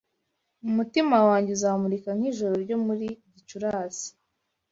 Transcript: Umutima wanjye uzamurika nk'ijoro ryo muri Gicurasi